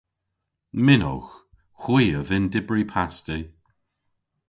Mynnowgh. Hwi a vynn dybri pasti.